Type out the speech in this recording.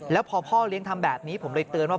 แล้วพอพ่อเลี้ยงทำแบบนี้ผมเลยเตือนว่า